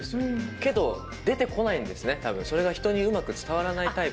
けど、出てこないんですね、たぶん、それが人にうまく伝わらないタイプ。